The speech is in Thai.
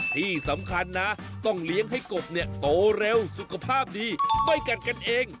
ที่สำคัญนะต้องเลี้ยงให้กบเนี่ยโตเร็วสุขภาพดีไม่กัดกันเอง